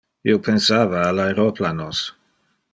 Io pensava al aeroplanos.